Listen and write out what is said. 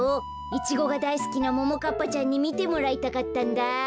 イチゴがだいすきなももかっぱちゃんにみてもらいたかったんだ。